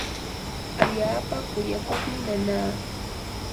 allaapa kuyakuqmi nanaa.